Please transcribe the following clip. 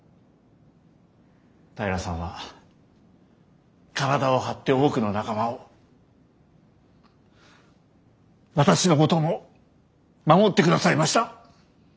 平良さんは体を張って多くの仲間を私のことも守ってくださいました。